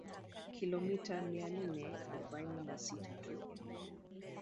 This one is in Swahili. Kilomita mia nne arobaini na sita tu